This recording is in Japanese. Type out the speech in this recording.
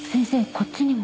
こっちにも。